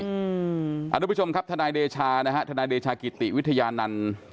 ครับท่านลูกผู้ชมครับทำงานชากิติวิทยานันตร์